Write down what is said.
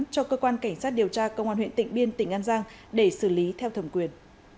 cho cơ quan cảnh sát điều tra công an huyện tịnh biên tỉnh an giang để xử lý theo thẩm quyền